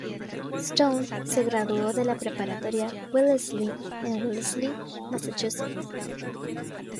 Stone se graduó de La Preparatoria Wellesley en Wellesley, Massachusetts.